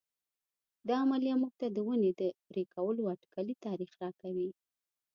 دا عملیه موږ ته د ونې د پرې کولو اټکلي تاریخ راکوي.